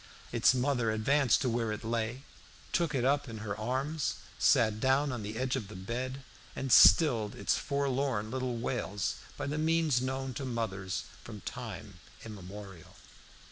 Its mother advanced to where it lay, took it up in her arms, sat down on the edge of the bed, and stilled its forlorn little wails by the means known to mothers from time immemorial.